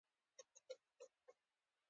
د چای ګل د څه لپاره وکاروم؟